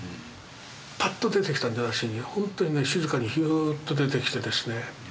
パッと出てきたんじゃなしにほんとに静かにヒューッと出てきてですね